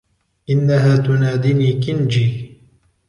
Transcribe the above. إنها تنادني كنجي.